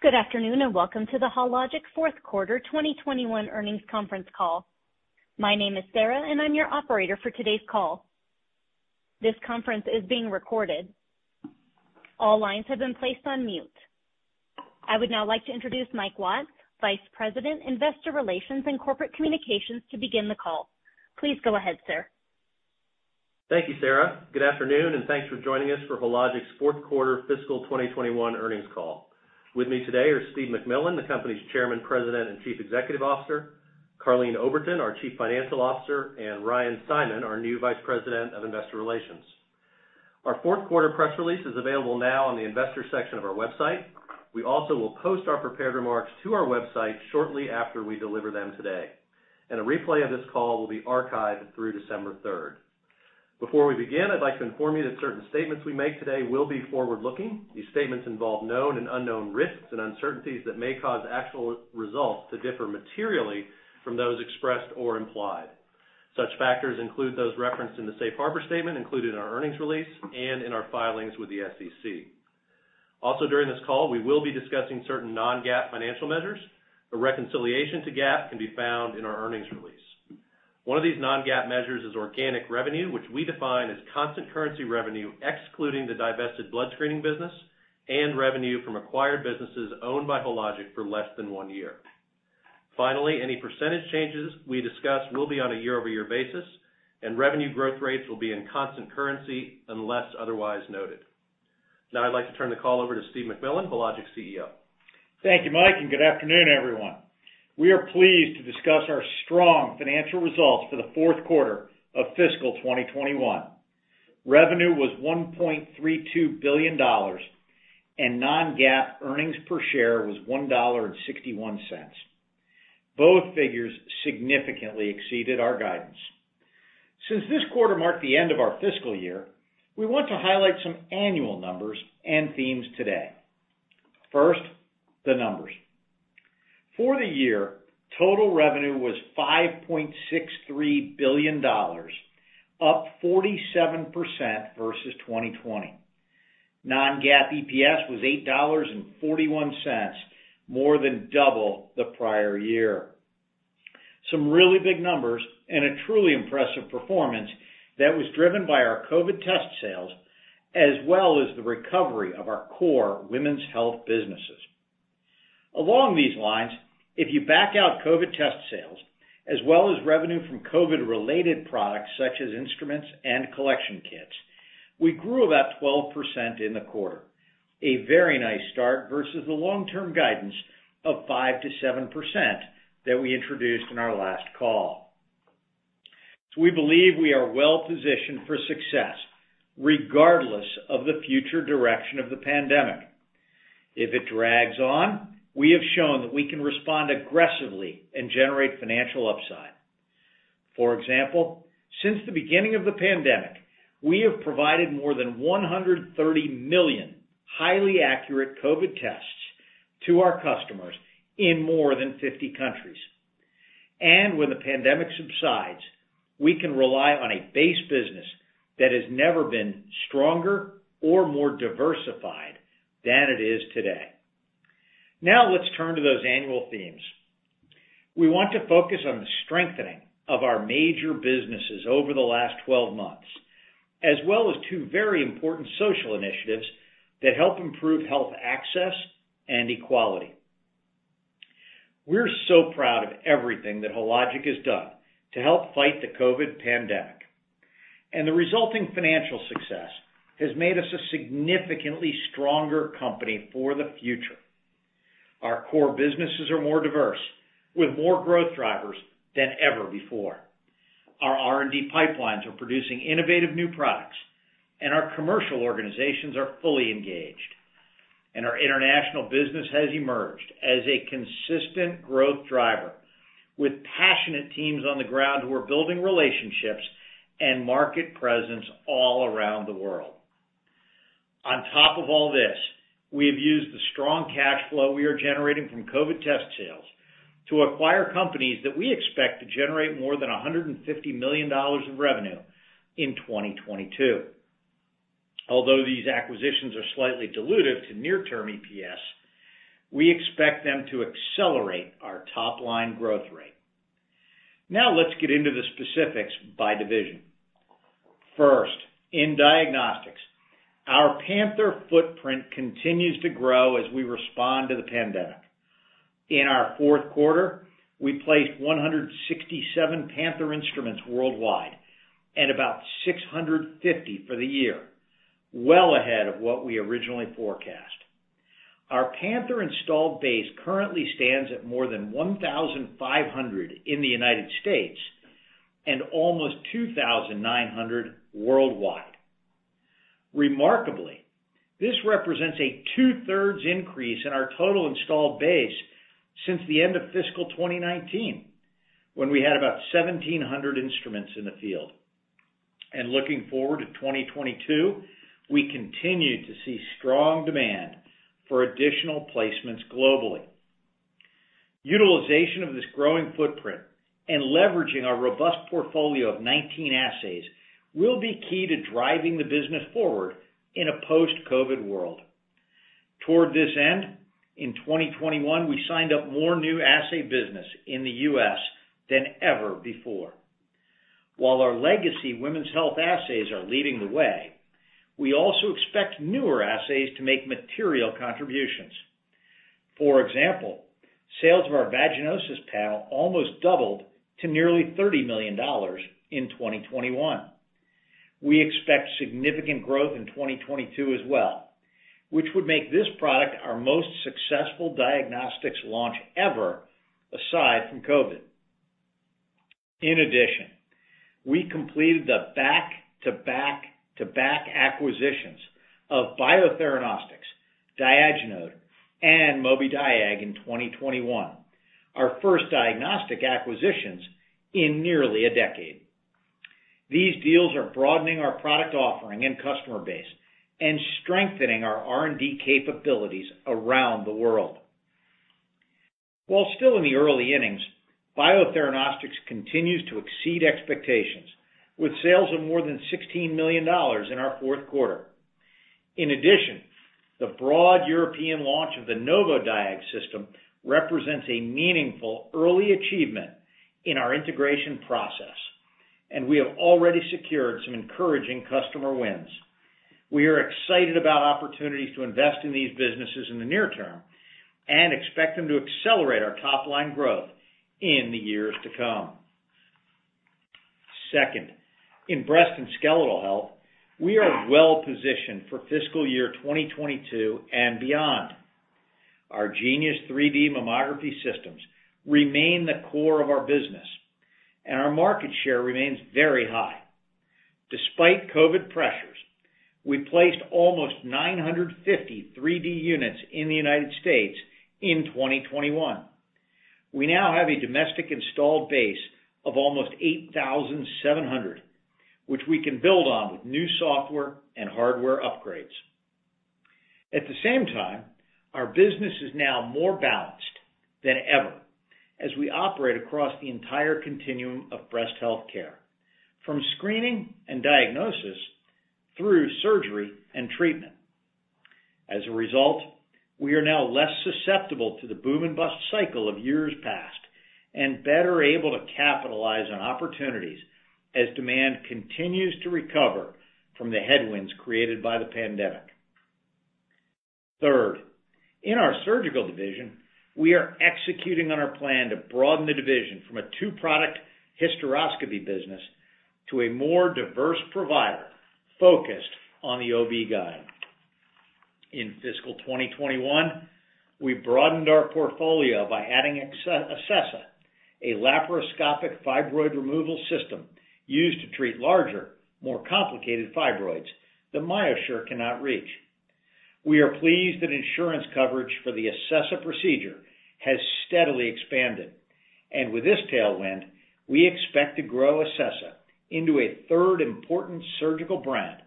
Good afternoon, and welcome to the Hologic fourth quarter 2021 earnings conference call. My name is Sarah, and I'm your operator for today's call. This conference is being recorded. All lines have been placed on mute. I would now like to introduce Mike Watts, Vice President, Investor Relations and Corporate Communications to begin the call. Please go ahead, sir. Thank you, Sarah. Good afternoon, and thanks for joining us for Hologic's fourth quarter fiscal 2021 earnings call. With me today are Steve MacMillan, the company's Chairman, President, and Chief Executive Officer, Karleen Oberton, our Chief Financial Officer, and Ryan Simon, our new Vice President of Investor Relations. Our fourth quarter press release is available now on the investor section of our website. We also will post our prepared remarks to our website shortly after we deliver them today. A replay of this call will be archived through December 3rd. Before we begin, I'd like to inform you that certain statements we make today will be forward-looking. These statements involve known and unknown risks and uncertainties that may cause actual results to differ materially from those expressed or implied. Such factors include those referenced in the safe harbor statement included in our earnings release and in our filings with the SEC. Also, during this call, we will be discussing certain non-GAAP financial measures. A reconciliation to GAAP can be found in our earnings release. One of these non-GAAP measures is organic revenue, which we define as constant currency revenue excluding the divested blood screening business and revenue from acquired businesses owned by Hologic for less than one year. Finally, any percentage changes we discuss will be on a year-over-year basis, and revenue growth rates will be in constant currency unless otherwise noted. Now I'd like to turn the call over to Steve MacMillan, Hologic's CEO. Thank you, Mike, and good afternoon, everyone. We are pleased to discuss our strong financial results for the fourth quarter of fiscal 2021. Revenue was $1.32 billion, and non-GAAP earnings per share was $1.61. Both figures significantly exceeded our guidance. Since this quarter marked the end of our fiscal year, we want to highlight some annual numbers and themes today. First, the numbers. For the year, total revenue was $5.63 billion, up 47% versus 2020. Non-GAAP EPS was $8.41, more than double the prior year. Some really big numbers and a truly impressive performance that was driven by our COVID test sales, as well as the recovery of our core women's health businesses. Along these lines, if you back out COVID test sales, as well as revenue from COVID-related products such as instruments and collection kits, we grew about 12% in the quarter. A very nice start versus the long-term guidance of 5%-7% that we introduced in our last call. We believe we are well-positioned for success regardless of the future direction of the pandemic. If it drags on, we have shown that we can respond aggressively and generate financial upside. For example, since the beginning of the pandemic, we have provided more than 130 million highly accurate COVID tests to our customers in more than 50 countries. When the pandemic subsides, we can rely on a base business that has never been stronger or more diversified than it is today. Now let's turn to those annual themes. We want to focus on the strengthening of our major businesses over the last 12 months, as well as two very important social initiatives that help improve health access and equality. We're so proud of everything that Hologic has done to help fight the COVID pandemic, and the resulting financial success has made us a significantly stronger company for the future. Our core businesses are more diverse with more growth drivers than ever before. Our R&D pipelines are producing innovative new products, and our commercial organizations are fully engaged. Our international business has emerged as a consistent growth driver with passionate teams on the ground who are building relationships and market presence all around the world. On top of all this, we have used the strong cash flow we are generating from COVID test sales to acquire companies that we expect to generate more than $150 million of revenue in 2022. Although these acquisitions are slightly dilutive to near-term EPS, we expect them to accelerate our top line growth rate. Now let's get into the specifics by division. First, in Diagnostics, our Panther footprint continues to grow as we respond to the pandemic. In our fourth quarter, we placed 167 Panther instruments worldwide and about 650 for the year, well ahead of what we originally forecast. Our Panther installed base currently stands at more than 1,500 in the United States and almost 2,900 worldwide. Remarkably, this represents a two-thirds increase in our total installed base since the end of fiscal 2019 when we had about 1,700 instruments in the field. Looking forward to 2022, we continue to see strong demand for additional placements globally. Utilization of this growing footprint and leveraging our robust portfolio of 19 assays will be key to driving the business forward in a post-COVID world. Toward this end, in 2021, we signed up more new assay business in the U.S. than ever before. While our legacy women's health assays are leading the way, we also expect newer assays to make material contributions. For example, sales of our vaginosis panel almost doubled to nearly $30 million in 2021. We expect significant growth in 2022 as well, which would make this product our most successful Diagnostics launch ever, aside from COVID. In addition, we completed the back-to-back-to-back acquisitions of Biotheranostics, Diagenode, and Mobidiag in 2021, our first diagnostic acquisitions in nearly a decade. These deals are broadening our product offering and customer base and strengthening our R&D capabilities around the world. While still in the early innings, Biotheranostics continues to exceed expectations, with sales of more than $16 million in our fourth quarter. In addition, the broad European launch of the Novodiag system represents a meaningful early achievement in our integration process, and we have already secured some encouraging customer wins. We are excited about opportunities to invest in these businesses in the near term and expect them to accelerate our top-line growth in the years to come. Second, in Breast and Skeletal Health, we are well positioned for fiscal year 2022 and beyond. Our Genius 3D Mammography systems remain the core of our business, and our market share remains very high. Despite COVID pressures, we placed almost 950 3D units in the United States in 2021. We now have a domestic installed base of almost 8,700, which we can build on with new software and hardware upgrades. At the same time, our business is now more balanced than ever as we operate across the entire continuum of Breast Health care, from screening and diagnosis through surgery and treatment. As a result, we are now less susceptible to the boom and bust cycle of years past and better able to capitalize on opportunities as demand continues to recover from the headwinds created by the pandemic. Third, in our Surgical division, we are executing on our plan to broaden the division from a two-product hysteroscopy business to a more diverse provider focused on the OB/GYN. In fiscal 2021, we broadened our portfolio by adding Acessa, a laparoscopic fibroid removal system used to treat larger, more complicated fibroids that MyoSure cannot reach. We are pleased that insurance coverage for the Acessa procedure has steadily expanded. With this tailwind, we expect to grow Acessa into a third important surgical brand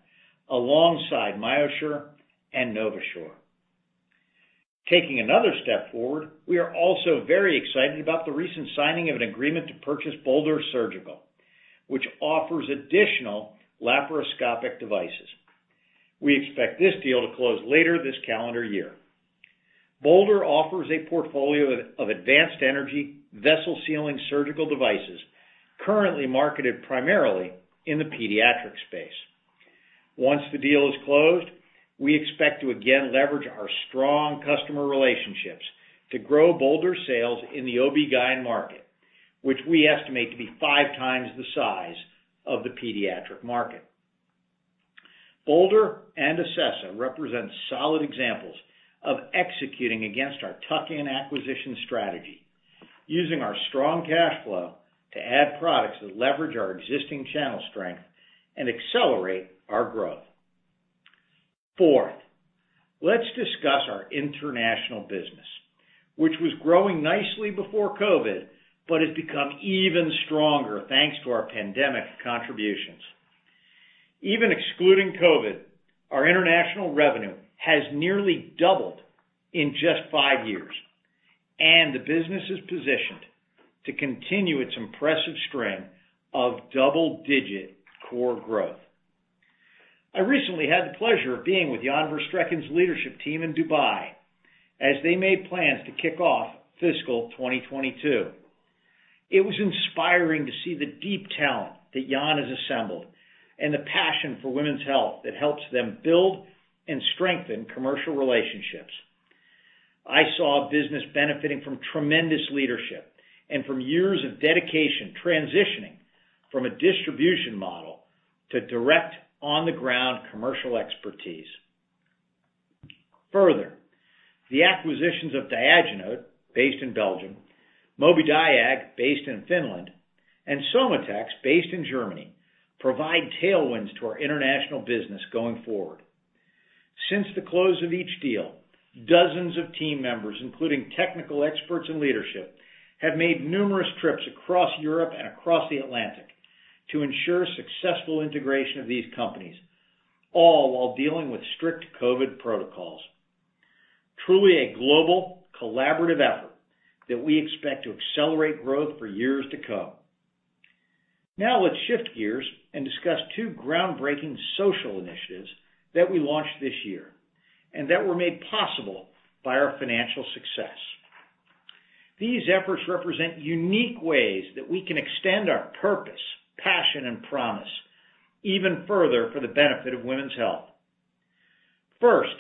alongside MyoSure and NovaSure. Taking another step forward, we are also very excited about the recent signing of an agreement to purchase Bolder Surgical, which offers additional laparoscopic devices. We expect this deal to close later this calendar year. Bolder offers a portfolio of advanced energy vessel sealing surgical devices currently marketed primarily in the pediatric space. Once the deal is closed, we expect to again leverage our strong customer relationships to grow Bolder sales in the OB/GYN market, which we estimate to be five times the size of the pediatric market. Bolder and Acessa represent solid examples of executing against our tuck-in acquisition strategy, using our strong cash flow to add products that leverage our existing channel strength and accelerate our growth. Fourth, let's discuss our international business, which was growing nicely before COVID, but has become even stronger, thanks to our pandemic contributions. Even excluding COVID, our international revenue has nearly doubled in just five years, and the business is positioned to continue its impressive string of double-digit core growth. I recently had the pleasure of being with Jan Verstreken's leadership team in Dubai as they made plans to kick off fiscal 2022. It was inspiring to see the deep talent that Jan has assembled and the passion for women's health that helps them build and strengthen commercial relationships. I saw a business benefiting from tremendous leadership and from years of dedication transitioning from a distribution model to direct on-the-ground commercial expertise. Further, the acquisitions of Diagenode, based in Belgium, Mobidiag, based in Finland, and Somatex, based in Germany, provide tailwinds to our international business going forward. Since the close of each deal, dozens of team members, including technical experts and leadership, have made numerous trips across Europe and across the Atlantic to ensure successful integration of these companies, all while dealing with strict COVID protocols. Truly a global collaborative effort that we expect to accelerate growth for years to come. Now let's shift gears and discuss two groundbreaking social initiatives that we launched this year and that were made possible by our financial success. These efforts represent unique ways that we can extend our purpose, passion, and promise even further for the benefit of women's health. First,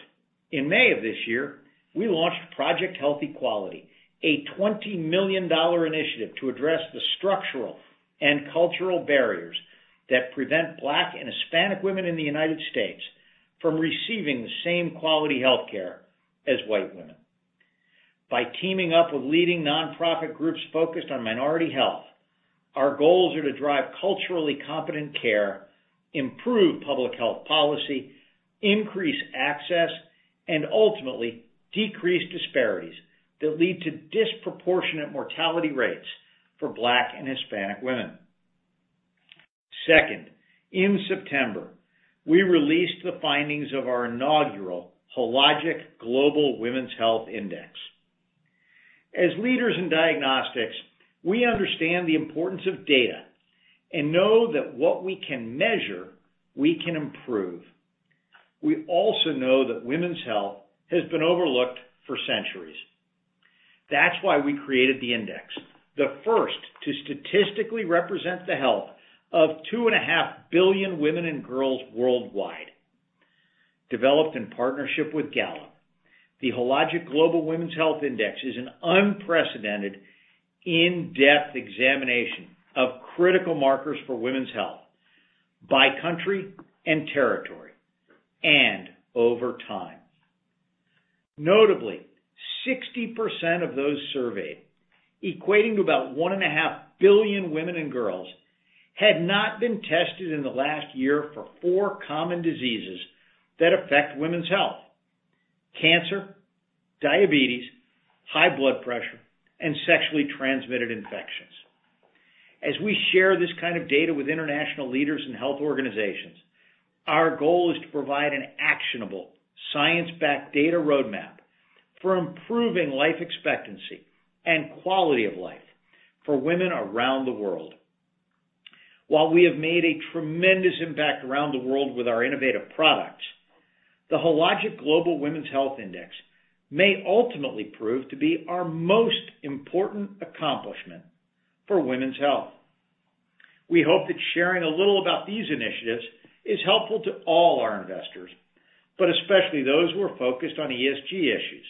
in May of this year, we launched Project Health Equality, a $20 million initiative to address the structural and cultural barriers that prevent Black and Hispanic women in the United States from receiving the same quality healthcare as white women. By teaming up with leading nonprofit groups focused on minority health, our goals are to drive culturally competent care, improve public health policy, increase access, and ultimately decrease disparities that lead to disproportionate mortality rates for Black and Hispanic women. Second, in September, we released the findings of our inaugural Hologic Global Women's Health Index. As leaders in Diagnostics, we understand the importance of data and know that what we can measure, we can improve. We also know that women's health has been overlooked for centuries. That's why we created the index, the first to statistically represent the health of 2.5 billion women and girls worldwide. Developed in partnership with Gallup, the Hologic Global Women's Health Index is an unprecedented in-depth examination of critical markers for women's health by country and territory and over time. Notably, 60% of those surveyed, equating to about 1.5 billion women and girls, had not been tested in the last year for four common diseases that affect women's health, cancer, diabetes, high blood pressure, and sexually transmitted infections. As we share this kind of data with international leaders and health organizations, our goal is to provide an actionable science-backed data roadmap for improving life expectancy and quality of life for women around the world. While we have made a tremendous impact around the world with our innovative products, the Hologic Global Women's Health Index may ultimately prove to be our most important accomplishment for women's health. We hope that sharing a little about these initiatives is helpful to all our investors, but especially those who are focused on ESG issues.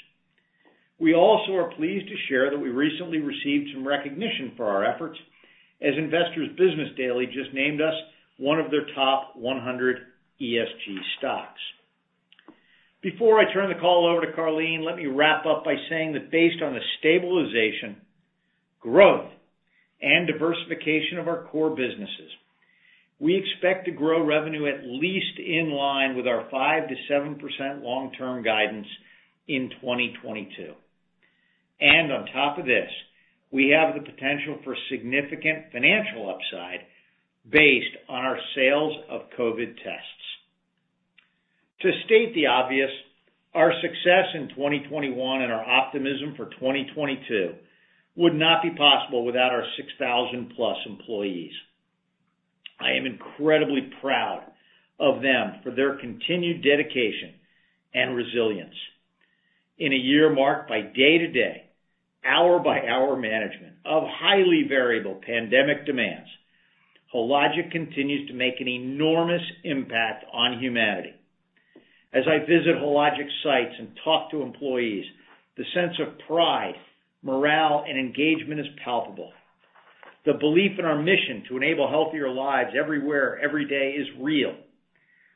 We also are pleased to share that we recently received some recognition for our efforts as Investor's Business Daily just named us one of their top 100 ESG stocks. Before I turn the call over to Karleen, let me wrap up by saying that based on the stabilization, growth, and diversification of our core businesses, we expect to grow revenue at least in line with our 5%-7% long-term guidance in 2022. On top of this, we have the potential for significant financial upside based on our sales of COVID tests. To state the obvious, our success in 2021 and our optimism for 2022 would not be possible without our 6,000+ employees. I am incredibly proud of them for their continued dedication and resilience. In a year marked by day-to-day, hour-by-hour management of highly variable pandemic demands, Hologic continues to make an enormous impact on humanity. As I visit Hologic sites and talk to employees, the sense of pride, morale, and engagement is palpable. The belief in our mission to enable healthier lives everywhere, every day is real.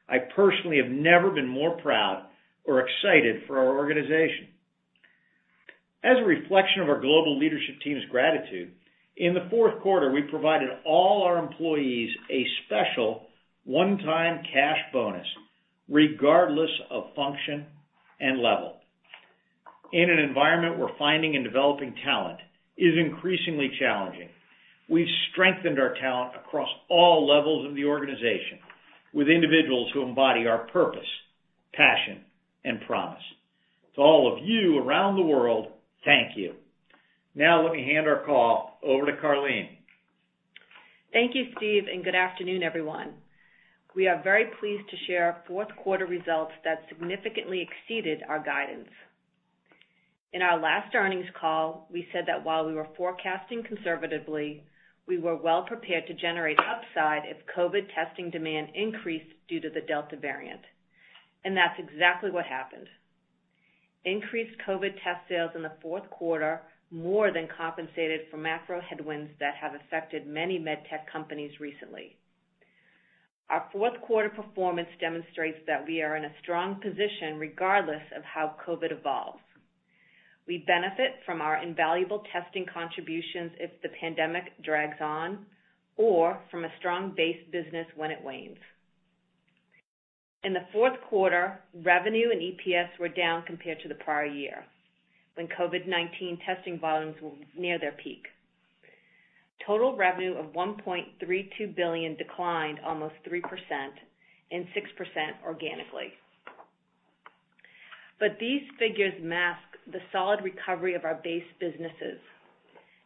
I personally have never been more proud or excited for our organization. As a reflection of our global leadership team's gratitude, in the fourth quarter, we provided all our employees a special one-time cash bonus, regardless of function and level. In an environment where finding and developing talent is increasingly challenging, we've strengthened our talent across all levels of the organization with individuals who embody our purpose, passion, and promise. To all of you around the world, thank you. Now let me hand our call over to Karleen. Thank you, Steve, and good afternoon, everyone. We are very pleased to share our fourth quarter results that significantly exceeded our guidance. In our last earnings call, we said that while we were forecasting conservatively, we were well prepared to generate upside if COVID testing demand increased due to the Delta variant, and that's exactly what happened. Increased COVID test sales in the fourth quarter more than compensated for macro headwinds that have affected many med tech companies recently. Our fourth quarter performance demonstrates that we are in a strong position regardless of how COVID evolves. We benefit from our invaluable testing contributions if the pandemic drags on or from a strong base business when it wanes. In the fourth quarter, revenue and EPS were down compared to the prior year, when COVID-19 testing volumes were near their peak. Total revenue of $1.32 billion declined almost 3% and 6% organically. These figures mask the solid recovery of our base businesses.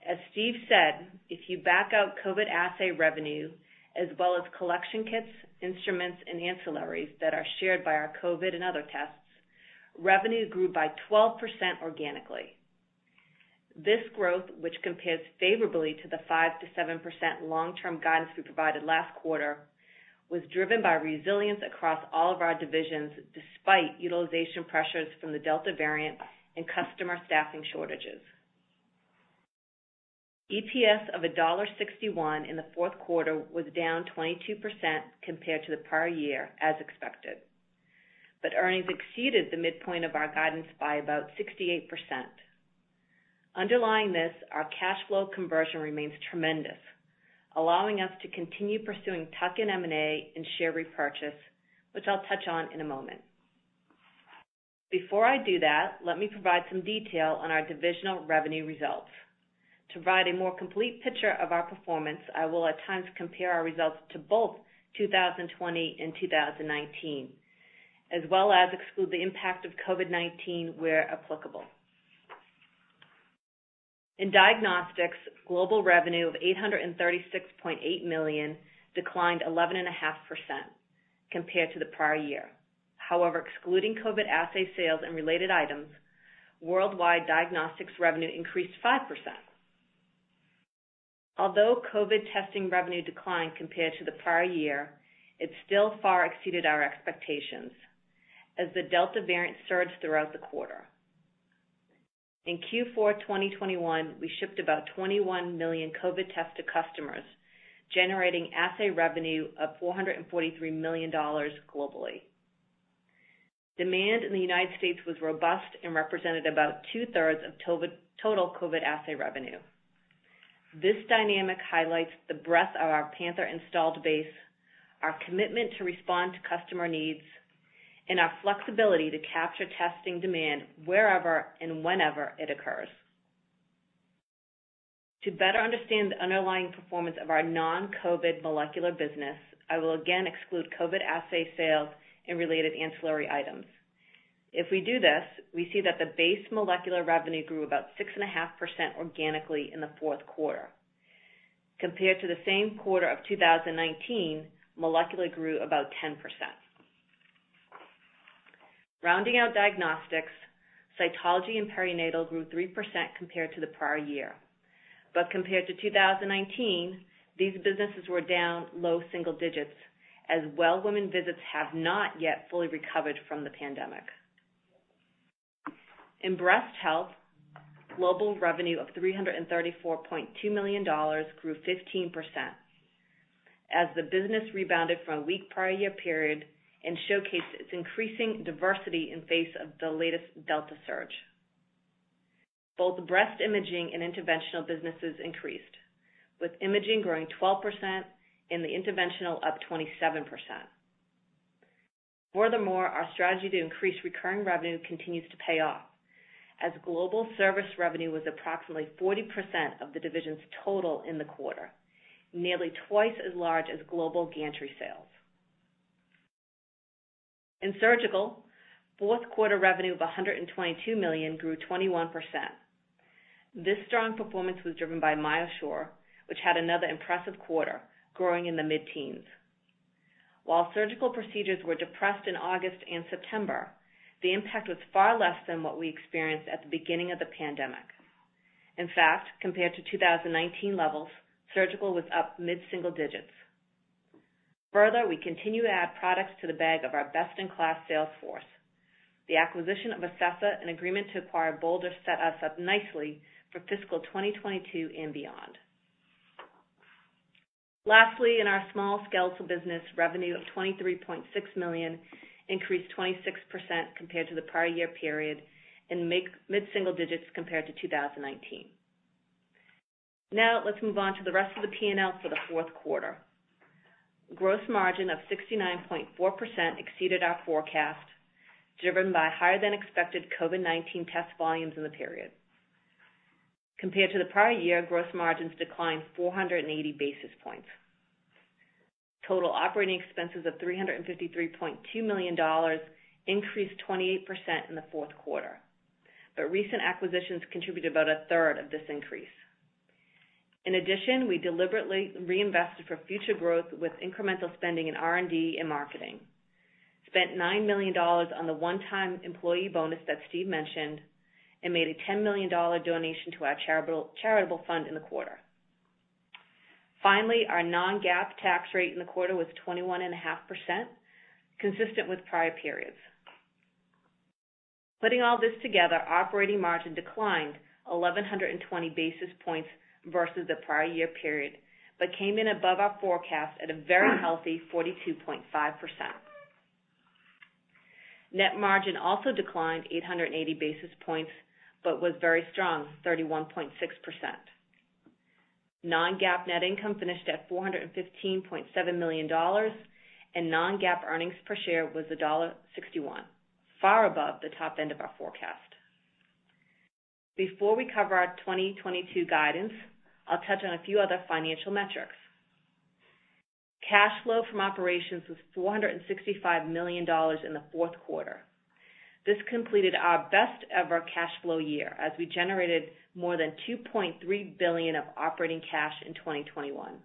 As Steve said, if you back out COVID assay revenue as well as collection kits, instruments, and ancillaries that are shared by our COVID and other tests, revenue grew by 12% organically. This growth, which compares favorably to the 5%-7% long-term guidance we provided last quarter, was driven by resilience across all of our divisions despite utilization pressures from the Delta variant and customer staffing shortages. EPS of $1.61 in the fourth quarter was down 22% compared to the prior year, as expected. Earnings exceeded the midpoint of our guidance by about 68%. Underlying this, our cash flow conversion remains tremendous, allowing us to continue pursuing tuck-in M&A and share repurchase, which I'll touch on in a moment. Before I do that, let me provide some detail on our divisional revenue results. To provide a more complete picture of our performance, I will at times compare our results to both 2020 and 2019, as well as exclude the impact of COVID-19 where applicable. In Diagnostics, global revenue of $836.8 million declined 11.5% compared to the prior year. However, excluding COVID assay sales and related items, worldwide Diagnostics revenue increased 5%. Although COVID testing revenue declined compared to the prior year, it still far exceeded our expectations as the Delta variant surged throughout the quarter. In Q4 2021, we shipped about 21 million COVID tests to customers, generating assay revenue of $443 million globally. Demand in the United States was robust and represented about two-thirds of total COVID assay revenue. This dynamic highlights the breadth of our Panther installed base, our commitment to respond to customer needs, and our flexibility to capture testing demand wherever and whenever it occurs. To better understand the underlying performance of our non-COVID molecular business, I will again exclude COVID assay sales and related ancillary items. If we do this, we see that the base molecular revenue grew about 6.5% organically in the fourth quarter. Compared to the same quarter of 2019, molecular grew about 10%. Rounding out Diagnostics, cytology and perinatal grew 3% compared to the prior year. Compared to 2019, these businesses were down low single digits, as well-woman visits have not yet fully recovered from the pandemic. In Breast Health, global revenue of $334.2 million grew 15% as the business rebounded from a weak prior year period and showcased its increasing diversity in face of the latest Delta surge. Both breast imaging and interventional businesses increased, with imaging growing 12% and the interventional up 27%. Furthermore, our strategy to increase recurring revenue continues to pay off, as global service revenue was approximately 40% of the division's total in the quarter, nearly twice as large as global gantry sales. In Surgical, fourth quarter revenue of $122 million grew 21%. This strong performance was driven by MyoSure, which had another impressive quarter, growing in the mid-teens. While surgical procedures were depressed in August and September, the impact was far less than what we experienced at the beginning of the pandemic. In fact, compared to 2019 levels, Surgical was up mid-single digits. Further, we continue to add products to the bag of our best-in-class sales force. The acquisition of Acessa and agreement to acquire Bolder set us up nicely for fiscal 2022 and beyond. Lastly, in our small Skeletal business, revenue of $23.6 million increased 26% compared to the prior year period and made mid-single digits compared to 2019. Now, let's move on to the rest of the P&L for the fourth quarter. Gross margin of 69.4% exceeded our forecast, driven by higher-than-expected COVID-19 test volumes in the period. Compared to the prior year, gross margins declined 480 basis points. Total operating expenses of $353.2 million increased 28% in the fourth quarter, but recent acquisitions contributed about a third of this increase. In addition, we deliberately reinvested for future growth with incremental spending in R&D and marketing, spent $9 million on the one-time employee bonus that Steve mentioned, and made a $10 million donation to our charitable fund in the quarter. Finally, our non-GAAP tax rate in the quarter was 21.5%, consistent with prior periods. Putting all this together, operating margin declined 1,120 basis points versus the prior year period, but came in above our forecast at a very healthy 42.5%. Net margin also declined 880 basis points, but was very strong, 31.6%. Non-GAAP net income finished at $415.7 million and non-GAAP earnings per share was $1.61, far above the top end of our forecast. Before we cover our 2022 guidance, I'll touch on a few other financial metrics. Cash flow from operations was $465 million in the fourth quarter. This completed our best ever cash flow year as we generated more than $2.3 billion of operating cash in 2021.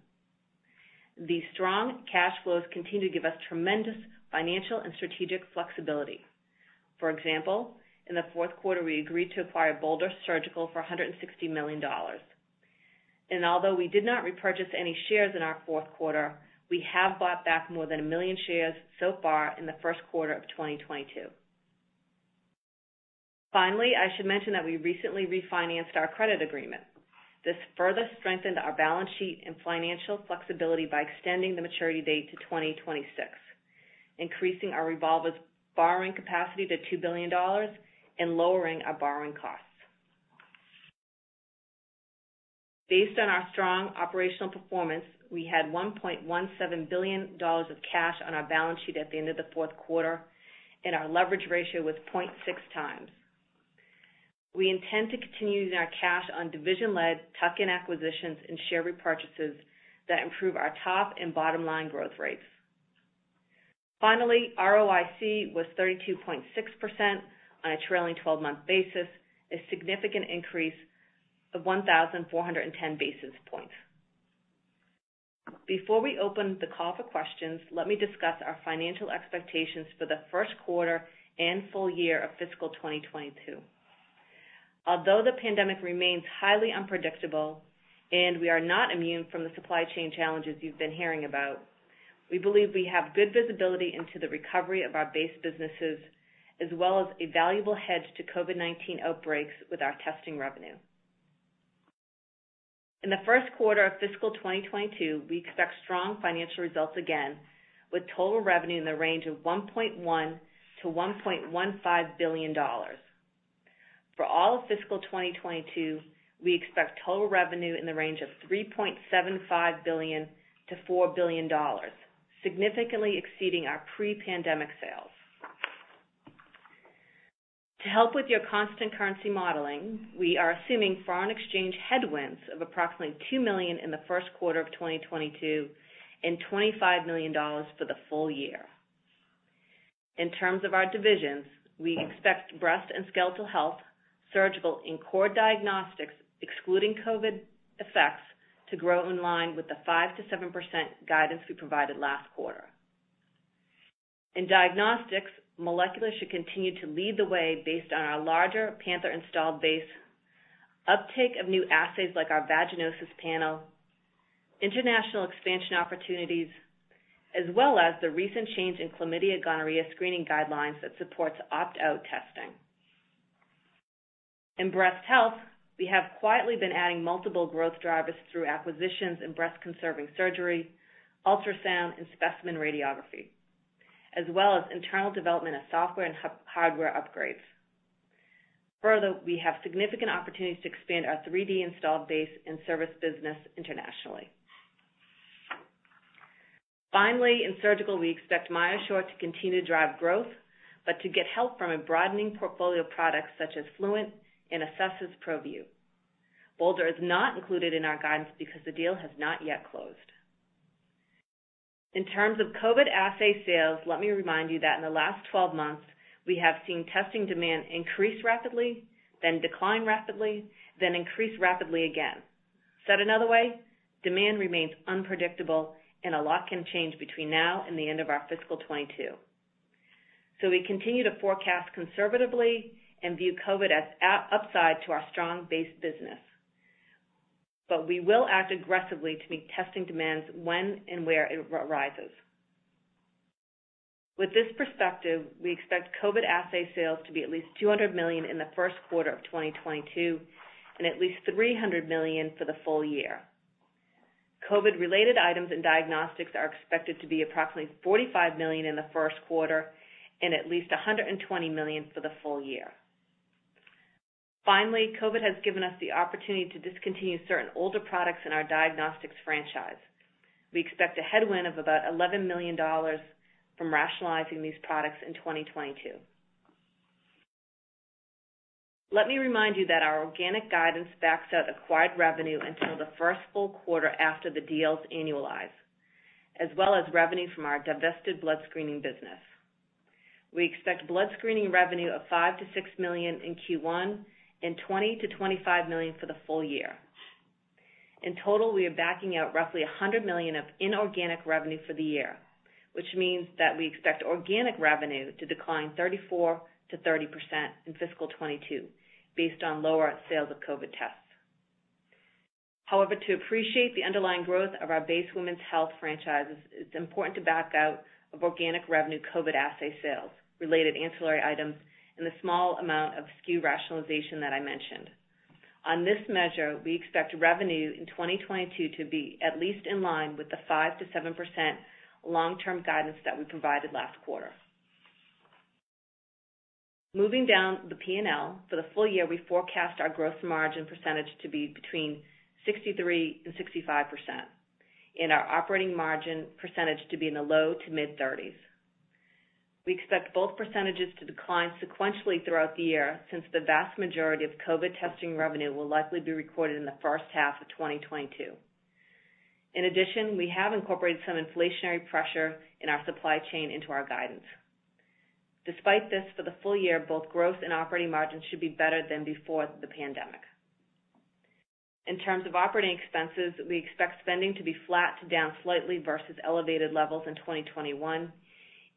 These strong cash flows continue to give us tremendous financial and strategic flexibility. For example, in the fourth quarter, we agreed to acquire Bolder Surgical for $160 million. Although we did not repurchase any shares in our fourth quarter, we have bought back more than 1 million shares so far in the first quarter of 2022. Finally, I should mention that we recently refinanced our credit agreement. This further strengthened our balance sheet and financial flexibility by extending the maturity date to 2026, increasing our revolver's borrowing capacity to $2 billion, and lowering our borrowing costs. Based on our strong operational performance, we had $1.17 billion of cash on our balance sheet at the end of the fourth quarter, and our leverage ratio was 0.6x. We intend to continue using our cash on division-led tuck-in acquisitions and share repurchases that improve our top and bottom line growth rates. Finally, ROIC was 32.6% on a trailing 12-month basis, a significant increase of 1,410 basis points. Before we open the call for questions, let me discuss our financial expectations for the first quarter and full year of fiscal 2022. Although the pandemic remains highly unpredictable and we are not immune from the supply chain challenges you've been hearing about, we believe we have good visibility into the recovery of our base businesses, as well as a valuable hedge to COVID-19 outbreaks with our testing revenue. In the first quarter of fiscal 2022, we expect strong financial results again with total revenue in the range of $1.1 billion-$1.15 billion. For all of fiscal 2022, we expect total revenue in the range of $3.75 billion-$4 billion, significantly exceeding our pre-pandemic sales. To help with your constant currency modeling, we are assuming foreign exchange headwinds of approximately $2 million in the first quarter of 2022 and $25 million for the full year. In terms of our divisions, we expect Breast and Skeletal Health, Surgical, and Core Diagnostics, excluding COVID effects, to grow in line with the 5%-7% guidance we provided last quarter. In Diagnostics, molecular should continue to lead the way based on our larger Panther installed base, uptake of new assays like our vaginosis panel, international expansion opportunities, as well as the recent change in chlamydia/gonorrhea screening guidelines that supports opt-out testing. In Breast Health, we have quietly been adding multiple growth drivers through acquisitions in breast-conserving surgery, ultrasound, and specimen radiography, as well as internal development of software and hardware upgrades. Further, we have significant opportunities to expand our 3D installed base and service business internationally. Finally, in Surgical, we expect MyoSure to continue to drive growth, but to get help from a broadening portfolio of products such as Fluent and Acessa ProVu. Bolder is not included in our guidance because the deal has not yet closed. In terms of COVID assay sales, let me remind you that in the last 12 months, we have seen testing demand increase rapidly, then decline rapidly, then increase rapidly again. Said another way, demand remains unpredictable and a lot can change between now and the end of our fiscal 2022. We continue to forecast conservatively and view COVID as upside to our strong base business. We will act aggressively to meet testing demands when and where it rises. With this perspective, we expect COVID assay sales to be at least $200 million in the first quarter of 2022 and at least $300 million for the full year. COVID-related items and Diagnostics are expected to be approximately $45 million in the first quarter and at least $120 million for the full year. Finally, COVID has given us the opportunity to discontinue certain older products in our Diagnostics franchise. We expect a headwind of about $11 million from rationalizing these products in 2022. Let me remind you that our organic guidance backs out acquired revenue until the first full quarter after the deals annualize, as well as revenue from our divested blood screening business. We expect blood screening revenue of $5 million-$6 million in Q1 and $20 million-$25 million for the full year. In total, we are backing out roughly $100 million of inorganic revenue for the year, which means that we expect organic revenue to decline 30%-34% in fiscal 2022 based on lower sales of COVID tests. However, to appreciate the underlying growth of our base women's health franchises, it's important to back out of organic revenue COVID assay sales, related ancillary items, and the small amount of SKU rationalization that I mentioned. On this measure, we expect revenue in 2022 to be at least in line with the 5%-7% long-term guidance that we provided last quarter. Moving down the P&L, for the full year, we forecast our gross margin percentage to be between 63%-65% and our operating margin percentage to be in the low-to-mid 30s. We expect both percentages to decline sequentially throughout the year since the vast majority of COVID testing revenue will likely be recorded in the first half of 2022. In addition, we have incorporated some inflationary pressure in our supply chain into our guidance. Despite this, for the full year, both gross and operating margins should be better than before the pandemic. In terms of operating expenses, we expect spending to be flat to down slightly versus elevated levels in 2021,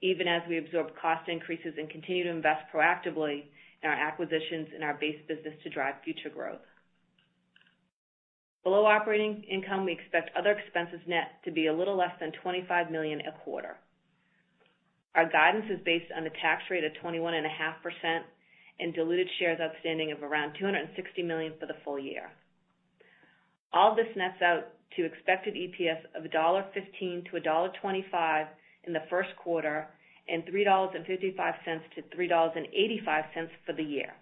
even as we absorb cost increases and continue to invest proactively in our acquisitions in our base business to drive future growth. Below operating income, we expect other expenses net to be a little less than $25 million a quarter. Our guidance is based on a tax rate of 21.5% and diluted shares outstanding of around 260 million for the full year. All this nets out to expected EPS of $1.15-$1.25 in the first quarter and $3.55-$3.85 for the year.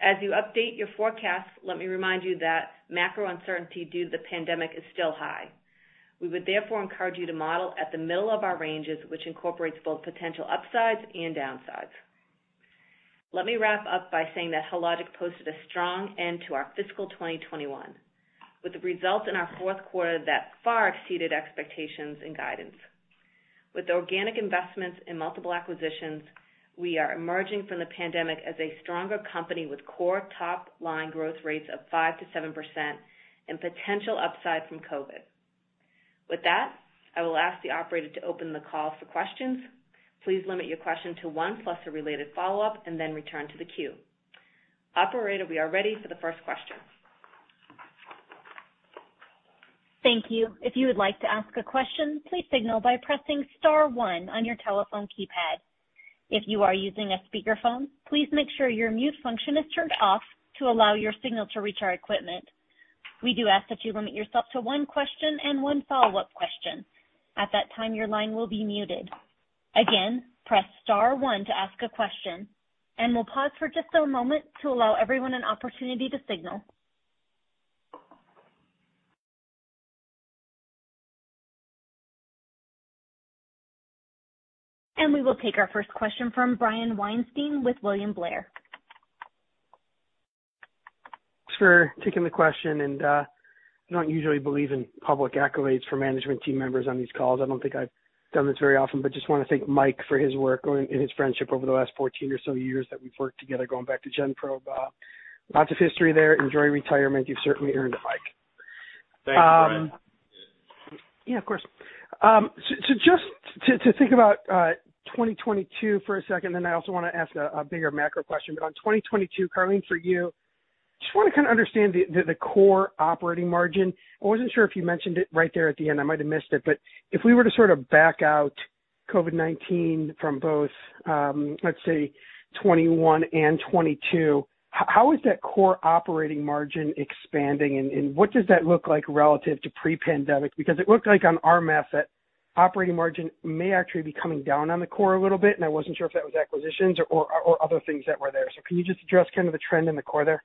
As you update your forecast, let me remind you that macro uncertainty due to the pandemic is still high. We would therefore encourage you to model at the middle of our ranges, which incorporates both potential upsides and downsides. Let me wrap up by saying that Hologic posted a strong end to our fiscal 2021, with the results in our fourth quarter that far exceeded expectations and guidance. With organic investments in multiple acquisitions, we are emerging from the pandemic as a stronger company with core top-line growth rates of 5%-7% and potential upside from COVID. With that, I will ask the operator to open the call for questions. Please limit your question to one plus a related follow-up, and then return to the queue. Operator, we are ready for the first question. Thank you. If you would like to ask a question, please signal by pressing star one on your telephone keypad. If you are using a speakerphone, please make sure your mute function is turned off to allow your signal to reach our equipment. We do ask that you limit yourself to one question and one follow-up question. At that time, your line will be muted. Again, press star one to ask a question, and we'll pause for just a moment to allow everyone an opportunity to signal. We will take our first question from Brian Weinstein with William Blair. Thanks for taking the question. I don't usually believe in public accolades for management team members on these calls. I don't think I've done this very often, but just wanna thank Mike for his work and his friendship over the last 14 or so years that we've worked together, going back to Gen-Probe. Lots of history there. Enjoy retirement. You've certainly earned it, Mike. Thanks, Brian. Yeah, of course. So just to think about 2022 for a second, then I also want to ask a bigger macro question. On 2022, Karleen, for you, just want to kind of understand the core operating margin. I wasn't sure if you mentioned it right there at the end. I might have missed it. If we were to sort of back out COVID-19 from both, let's say 2021 and 2022, how is that core operating margin expanding, and what does that look like relative to pre-pandemic? Because it looked like on our math that operating margin may actually be coming down on the core a little bit, and I wasn't sure if that was acquisitions or other things that were there. Can you just address kind of the trend in the core there?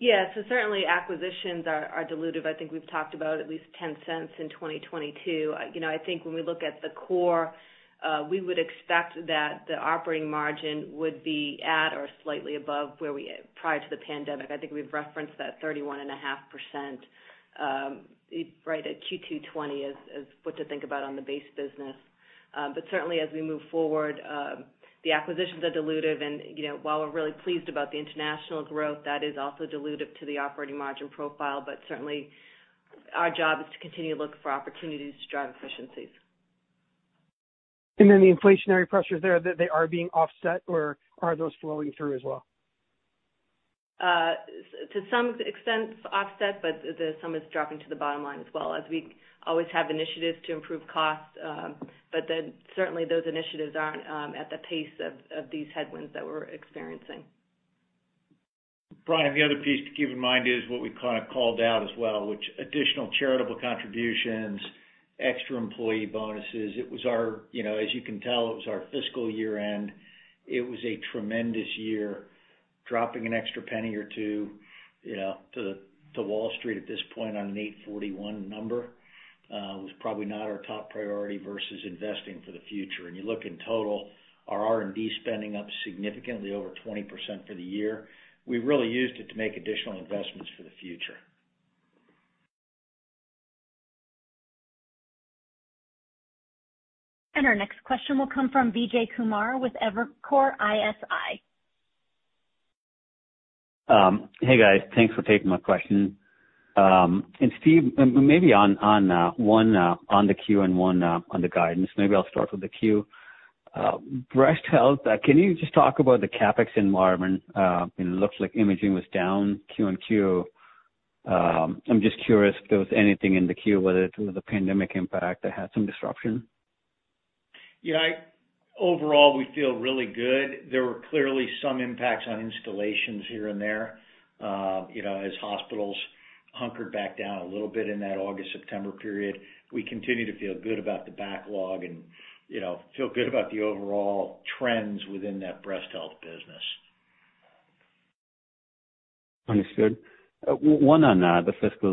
Yeah. Certainly acquisitions are dilutive. I think we've talked about at least $0.10 in 2022. You know, I think when we look at the core, we would expect that the operating margin would be at or slightly above where we prior to the pandemic. I think we've referenced that 31.5%, right at Q2 2020 is what to think about on the base business. Certainly as we move forward, the acquisitions are dilutive and, you know, while we're really pleased about the international growth, that is also dilutive to the operating margin profile. Certainly our job is to continue to look for opportunities to drive efficiencies. The inflationary pressures there, they are being offset, or are those flowing through as well? To some extent offset, but the sum is dropping to the bottom line as well, as we always have initiatives to improve costs. Certainly those initiatives aren't at the pace of these headwinds that we're experiencing. Brian, the other piece to keep in mind is what we kinda called out as well, which additional charitable contributions, extra employee bonuses. It was our, you know, as you can tell, it was our fiscal year-end. It was a tremendous year. Dropping an extra penny or two, you know, to Wall Street at this point on a $8.41 number was probably not our top priority versus investing for the future. You look in total, our R&D spending up significantly over 20% for the year. We really used it to make additional investments for the future. Our next question will come from Vijay Kumar with Evercore ISI. Hey, guys. Thanks for taking my question. Steve, maybe on Q1 on the guidance. Maybe I'll start with the Q1. Breast Health, can you just talk about the CapEx environment? It looks like imaging was down Q-on-Q. I'm just curious if there was anything in the Q1, whether it was a pandemic impact that had some disruption. Yeah, overall, we feel really good. There were clearly some impacts on installations here and there, you know, as hospitals hunkered back down a little bit in that August-September period. We continue to feel good about the backlog and, you know, feel good about the overall trends within that Breast Health business. Understood. One on the fiscal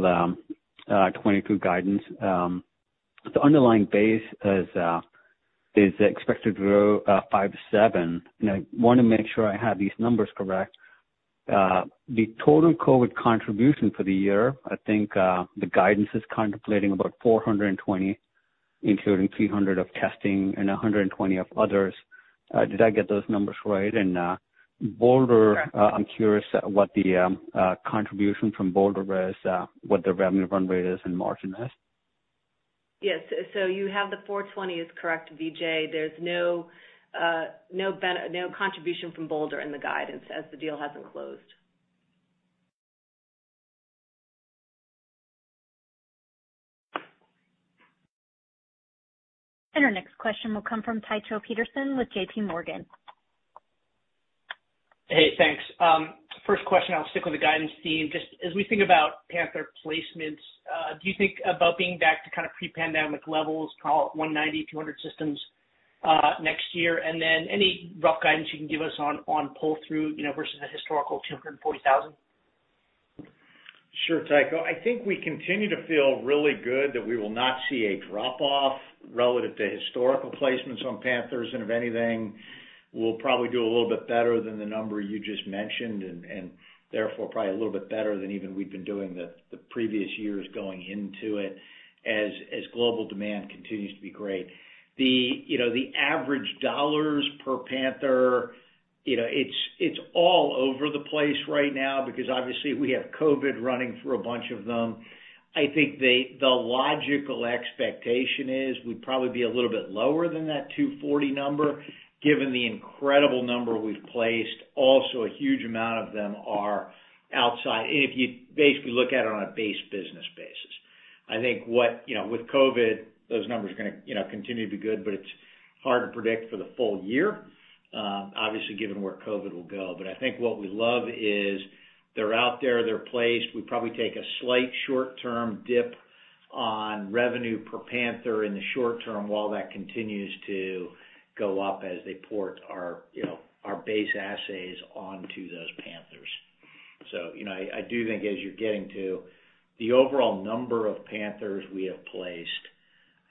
2022 guidance. The underlying base is expected to grow 5%-7%. I wanna make sure I have these numbers correct. The total COVID contribution for the year, I think, the guidance is contemplating about $420, including $300 of testing and $120 of others. Did I get those numbers right? Bolder- Correct. I'm curious what the contribution from Bolder is, what the revenue run rate is and margin is. Yes. You have the $420 is correct, Vijay. There's no contribution from Bolder in the guidance as the deal hasn't closed. Our next question will come from Tycho Peterson with JPMorgan. Hey, thanks. First question, I'll stick with the guidance theme. Just as we think about Panther placements, do you think about being back to kind of pre-pandemic levels, call it 190-200 systems next year? Any rough guidance you can give us on pull-through, you know, versus the historical 240,000? Sure, Tycho. I think we continue to feel really good that we will not see a drop-off relative to historical placements on Panthers. If anything, we'll probably do a little bit better than the number you just mentioned, and therefore probably a little bit better than even we've been doing the previous years going into it, as global demand continues to be great. You know, the average dollars per Panther, you know, it's all over the place right now because obviously we have COVID running through a bunch of them. I think the logical expectation is we'd probably be a little bit lower than that $240 number given the incredible number we've placed. Also, a huge amount of them are outside. If you basically look at it on a base business basis. I think what, you know, with COVID, those numbers are gonna, you know, continue to be good, but it's hard to predict for the full year, obviously given where COVID will go. I think what we love is they're out there, they're placed. We probably take a slight short-term dip on revenue per Panther in the short term while that continues to go up as they port our, you know, our base assays onto those Panthers. I do think as you're getting to the overall number of Panthers we have placed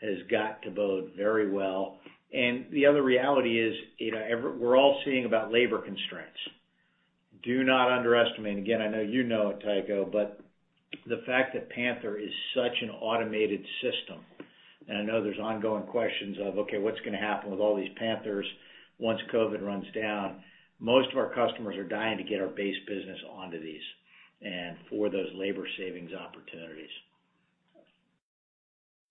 has got to bode very well. The other reality is, you know, we're all seeing about labor constraints. Do not underestimate, again, I know you know it, Tycho, but the fact that Panther is such an automated system, and I know there's ongoing questions of, okay, what's gonna happen with all these Panthers once COVID runs down? Most of our customers are dying to get our base business onto these and for those labor savings opportunities.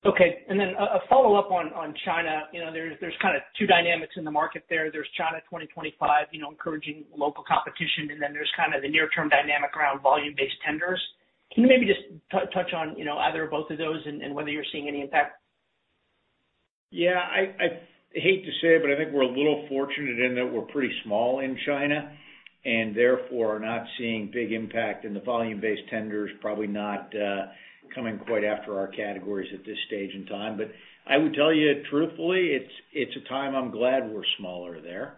Okay. A follow-up on China. You know, there's kind of two dynamics in the market there. There's Made in China 2025, you know, encouraging local competition, and then there's kind of the near-term dynamic around volume-based tenders. Can you maybe just touch on, you know, either or both of those and whether you're seeing any impact? Yeah. I hate to say it, but I think we're a little fortunate in that we're pretty small in China, and therefore are not seeing big impact in the volume-based tenders, probably not coming quite after our categories at this stage and time. I would tell you truthfully, it's a time I'm glad we're smaller there.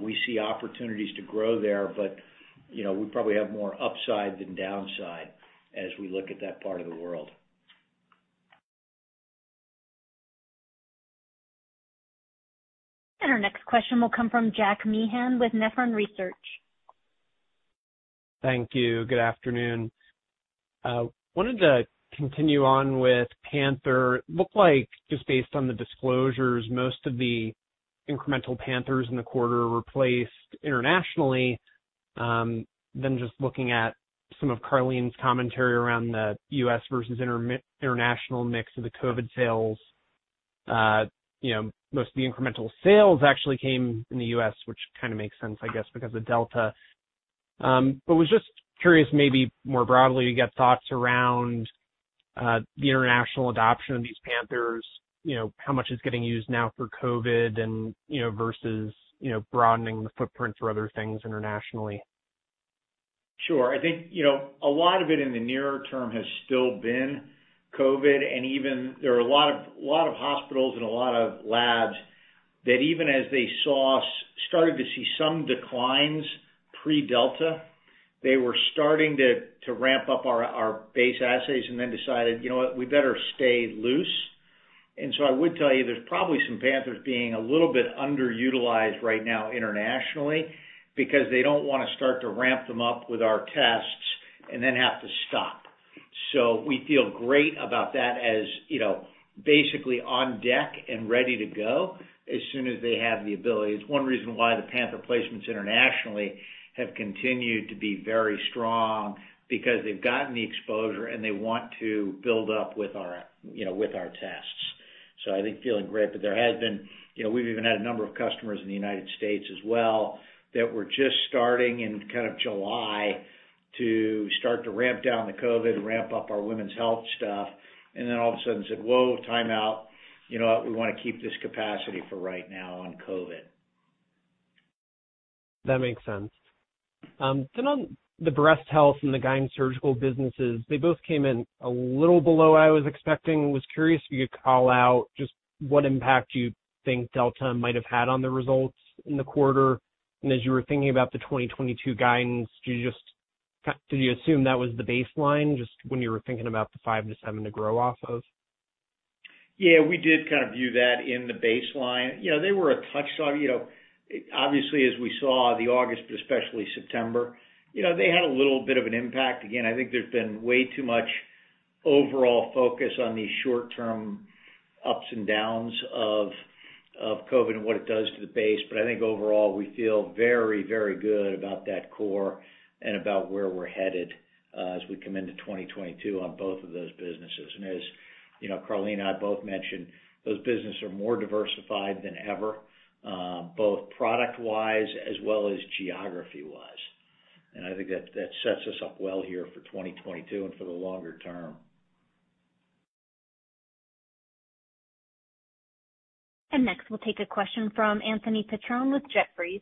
We see opportunities to grow there, but you know, we probably have more upside than downside as we look at that part of the world. Our next question will come from Jack Meehan with Nephron Research. Thank you. Good afternoon. Wanted to continue on with Panther. Looked like just based on the disclosures, most of the incremental Panthers in the quarter were placed internationally, rather than just looking at some of Karleen's commentary around the U.S. versus international mix of the COVID sales. You know, most of the incremental sales actually came in the U.S., which kind of makes sense, I guess, because of Delta. Was just curious, maybe more broadly, you got thoughts around the international adoption of these Panthers, you know, how much is getting used now for COVID and, you know, versus broadening the footprint for other things internationally. Sure. I think, you know, a lot of it in the nearer term has still been COVID. Even there are a lot of hospitals and a lot of labs that even as they started to see some declines pre-Delta, they were starting to ramp up our base assays and then decided, you know what, we better stay loose. I would tell you there's probably some Panthers being a little bit underutilized right now internationally because they don't wanna start to ramp them up with our tests and then have to stop. So we feel great about that as, you know, basically on deck and ready to go as soon as they have the ability. It's one reason why the Panther placements internationally have continued to be very strong because they've gotten the exposure, and they want to build up with our, you know, with our tests. I think feeling great. There has been, you know, we've even had a number of customers in the United States as well that were just starting in kind of July to start to ramp down the COVID and ramp up our women's health stuff, and then all of a sudden said, "Whoa, time out. You know what? We wanna keep this capacity for right now on COVID. That makes sense. Then on the Breast Health and the GYN Surgical businesses, they both came in a little below what I was expecting. Was curious if you could call out just what impact you think Delta might have had on the results in the quarter. As you were thinking about the 2022 guidance, did you assume that was the baseline just when you were thinking about the 5%-7% to grow off of? Yeah, we did kind of view that in the baseline. You know, they were a touch on, you know. Obviously, as we saw the August, but especially September, you know, they had a little bit of an impact. Again, I think there's been way too much overall focus on these short-term ups and downs of of COVID and what it does to the base. I think overall, we feel very, very good about that core and about where we're headed as we come into 2022 on both of those businesses. As, you know, Karleen and I both mentioned, those businesses are more diversified than ever, both product-wise as well as geography-wise. I think that sets us up well here for 2022 and for the longer term. Next, we'll take a question from Anthony Petrone with Jefferies.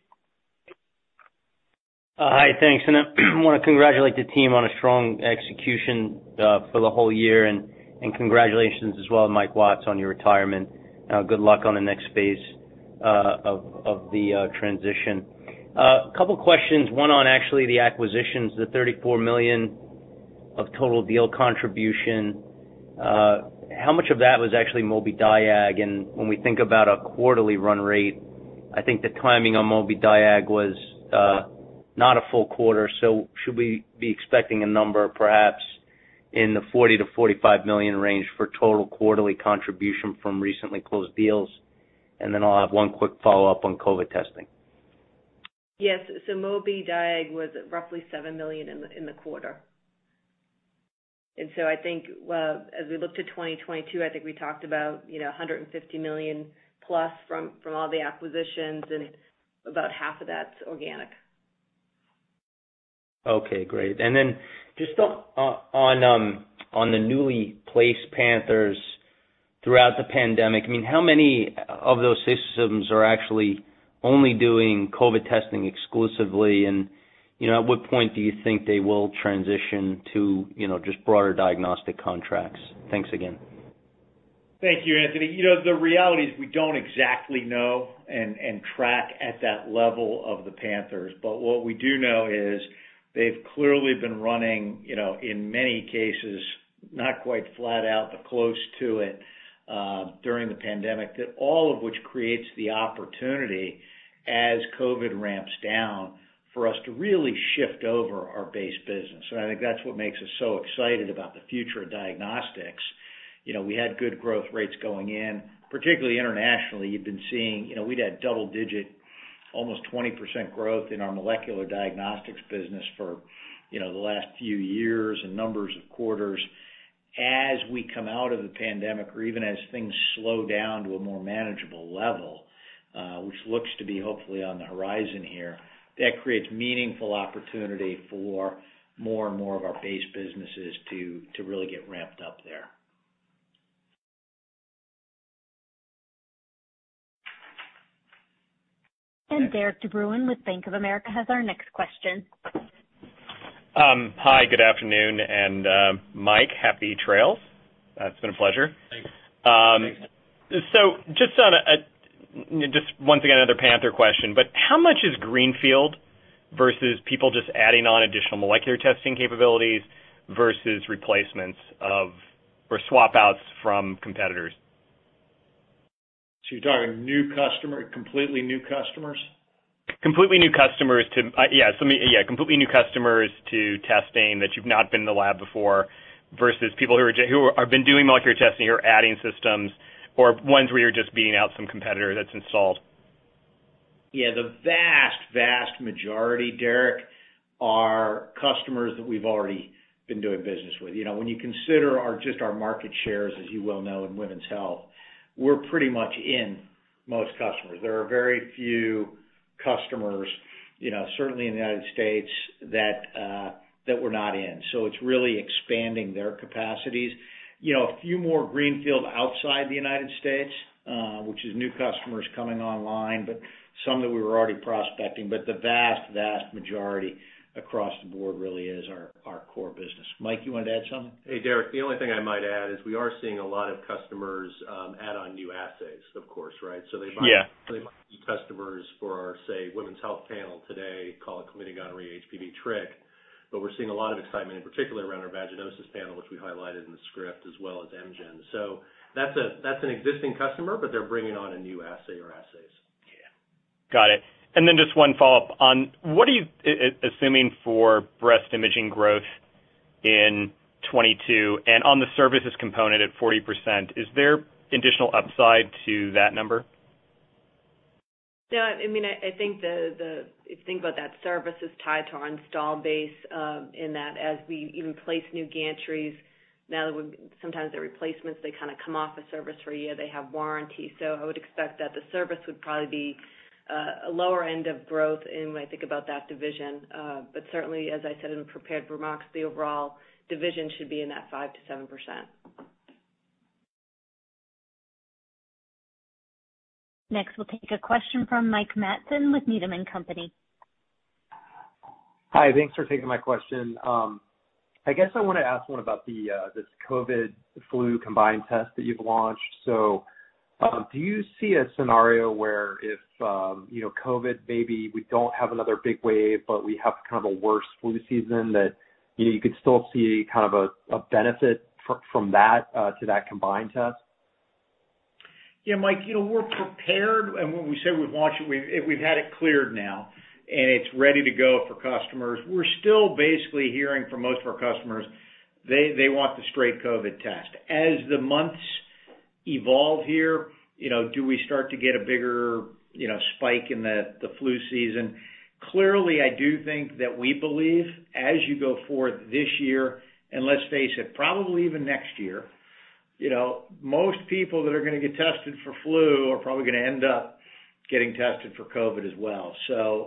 Hi. Thanks. I wanna congratulate the team on a strong execution for the whole year, and congratulations as well, Michael Watts, on your retirement. Good luck on the next phase of the transition. A couple questions, one on actually the acquisitions, the $34 million of total deal contribution. How much of that was actually Mobidiag? And when we think about a quarterly run rate, I think the timing on Mobidiag was not a full quarter. So should we be expecting a number perhaps in the $40 million-$45 million range for total quarterly contribution from recently closed deals? And then I'll have one quick follow-up on COVID testing. Yes. Mobidiag was roughly $7 million in the quarter. I think, as we look to 2022, I think we talked about, you know, $150 million plus from all the acquisitions, and about half of that's organic. Okay, great. Then just on the newly placed Panther systems throughout the pandemic, I mean, how many of those systems are actually only doing COVID testing exclusively? You know, at what point do you think they will transition to just broader diagnostic contracts? Thanks again. Thank you, Anthony. You know, the reality is we don't exactly know and track at that level of the Panther. What we do know is they've clearly been running, you know, in many cases, not quite flat out, but close to it, during the pandemic. That all of which creates the opportunity as COVID ramps down for us to really shift over our base business. I think that's what makes us so excited about the future of Diagnostics. You know, we had good growth rates going in, particularly internationally. You've been seeing, you know, we'd had double-digit, almost 20% growth in our molecular diagnostics business for, you know, the last few years and a number of quarters. As we come out of the pandemic or even as things slow down to a more manageable level, which looks to be hopefully on the horizon here, that creates meaningful opportunity for more and more of our base businesses to really get ramped up there. Derik de Bruin with Bank of America has our next question. Hi. Good afternoon. Mike, happy trails. It's been a pleasure. Thanks. Just once again, another Panther question, but how much is greenfield versus people just adding on additional molecular testing capabilities versus replacements of or swap outs from competitors? You're talking new customer, completely new customers? Completely new customers to, yeah. Maybe, yeah, completely new customers to testing that you've not been in the lab before versus people who have been doing molecular testing or adding systems or ones where you're just beating out some competitor that's installed. Yeah. The vast majority, Derik, are customers that we've already been doing business with. You know, when you consider our, just our market shares, as you well know, in women's health, we're pretty much in most customers. There are very few customers, you know, certainly in the United States that we're not in. So it's really expanding their capacities. You know, a few more greenfield outside the United States, which is new customers coming online, but some that we were already prospecting. But the vast majority across the board really is our core business. Mike, you wanna add something? Hey, Derek, the only thing I might add is we are seeing a lot of customers add on new assays, of course, right? Yeah. They might be customers for our, say, women's health panel today, call it chlamydia, gonorrhea, HPV, Trichomonas. We're seeing a lot of excitement in particular around our vaginosis panel, which we highlighted in the script as well as Mycoplasma genitalium. That's an existing customer, but they're bringing on a new assay or assays. Yeah. Got it. Just one follow-up. On what are you assuming for breast imaging growth in 2022? On the services component at 40%, is there additional upside to that number? No, I mean, I think if you think about that, the service is tied to our installed base, and as we even place new gantries, sometimes the replacements, they kind of come off of service for a year. They have warranty. I would expect that the service would probably be a lower end of growth when I think about that division. Certainly, as I said in the prepared remarks, the overall division should be in that 5%-7%. Next, we'll take a question from Mike Matson with Needham & Company. Hi. Thanks for taking my question. I guess I wanna ask one about this COVID flu combined test that you've launched. Do you see a scenario where if you know, COVID, maybe we don't have another big wave, but we have kind of a worse flu season that you know, you could still see kind of a benefit from that to that combined test? Yeah. Mike, you know, we're prepared. When we say we've launched it, we've had it cleared now and it's ready to go for customers. We're still basically hearing from most of our customers they want the straight COVID test. As the months evolve here, you know, do we start to get a bigger, you know, spike in the flu season? Clearly, I do think that we believe as you go forth this year, and let's face it, probably even next year, you know, most people that are gonna get tested for flu are probably gonna end up getting tested for COVID as well.